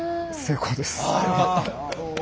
あよかった。